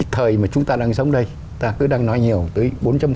thời mà chúng ta đang sống đây ta cứ đang nói nhiều tới bốn